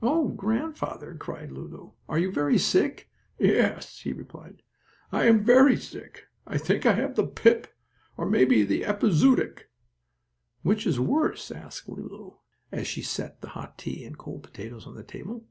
"Oh, grandfather!" cried Lulu. "Are you very sick?" "Yes," he replied, "I am very sick. I think I have the pip, or maybe the epizoodic." "Which is worse?" asked Lulu, as she set the hot tea and the cold potatoes on the table.